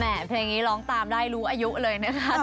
เพลงนี้ร้องตามได้รู้อายุเลยนะคะ